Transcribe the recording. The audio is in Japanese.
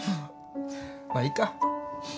まっいいか。